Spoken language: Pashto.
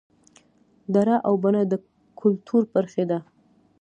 دړه او بنه د کولتور برخې دي